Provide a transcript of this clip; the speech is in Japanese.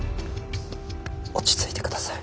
落ち着いて下さい。